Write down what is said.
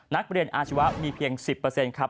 นักเรียนอาชีวะมีเพียง๑๐ครับ